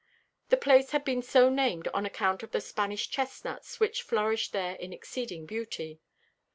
The place had been so named on account of the Spanish chestnuts which flourished there in exceeding beauty.